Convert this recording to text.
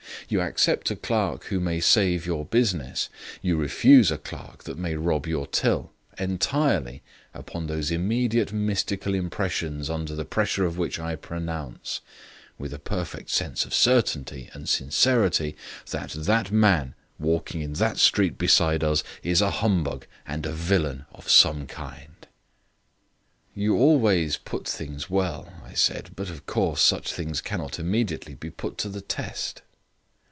You accept a clerk who may save your business you refuse a clerk that may rob your till, entirely upon those immediate mystical impressions under the pressure of which I pronounce, with a perfect sense of certainty and sincerity, that that man walking in that street beside us is a humbug and a villain of some kind." "You always put things well," I said, "but, of course, such things cannot immediately be put to the test."